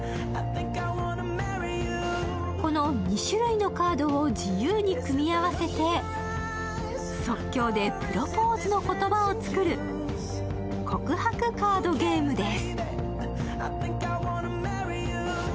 この２種類のカードを自由に組み合わせて即興でプロポーズの言葉を作る、告白カードゲームです。